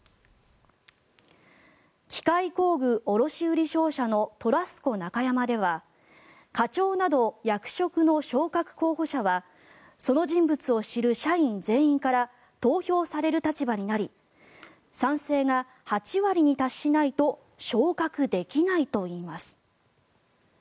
機械工具卸売商社のトラスコ中山では課長など役職の昇格候補者はその人物を知る社員全員から投票される立場になり賛成が８割に達しないと昇格できないといいます。